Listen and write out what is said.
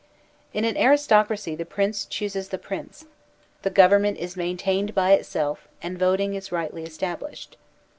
In an aristocracy the Prince chooses the Prince, the government is maintained by itself, and voting is rightly established.